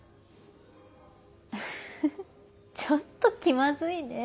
フフフちょっと気まずいね。